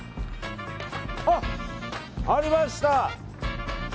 あ、ありました！